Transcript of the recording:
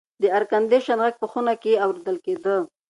د اېرکنډیشن غږ په خونه کې اورېدل کېده.